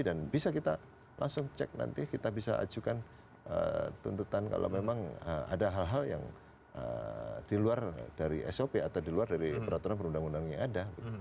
dan bisa kita langsung cek nanti kita bisa ajukan tuntutan kalau memang ada hal hal yang di luar dari sop atau di luar dari peraturan perundang undang yang ada